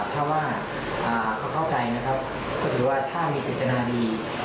ถ้าว่าเขาเข้าใจนะครับก็ถือว่าถ้ามีเจตนาดี